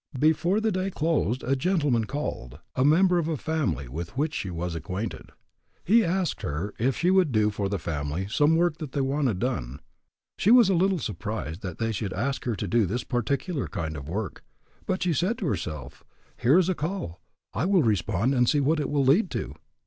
Before the day closed a gentleman called, a member of a family with which she was acquainted. He asked her if she would do for the family some work that they wanted done. She was a little surprised that they should ask her to do this particular kind of work, but she said to herself, "Here is a call. I will respond and see what it will lead to."